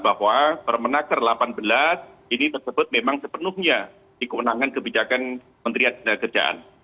bahwa permenaker delapan belas ini tersebut memang sepenuhnya dikeunangan kebijakan menteri adina kerjaan